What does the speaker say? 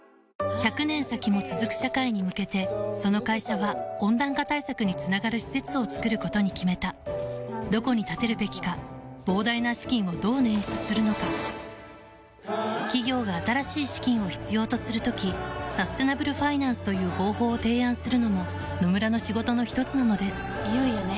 １００年先も続く社会に向けてその会社は温暖化対策につながる施設を作ることに決めたどこに建てるべきか膨大な資金をどう捻出するのか企業が新しい資金を必要とする時サステナブルファイナンスという方法を提案するのも野村の仕事のひとつなのですいよいよね。